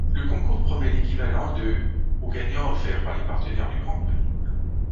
Le concours promet l’équivalent de aux gagnants offert par les partenaires du Grand Prix.